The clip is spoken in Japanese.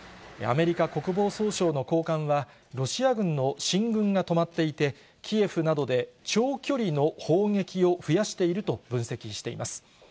アメリカ国防総省の高官は、ロシア軍の進軍が止まっていて、キエフなどで、長距離の砲撃を増やしていると分析しています。